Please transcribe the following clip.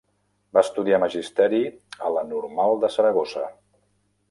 Va estudiar Magisteri a la Normal de Saragossa.